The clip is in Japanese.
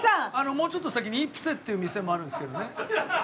もうちょっと先にイプセっていう店もあるんですけどね。